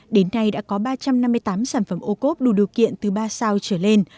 đến nay đã có ba trăm năm mươi tám sản phẩm ô cốp đủ điều kiện từ ba sao trở lên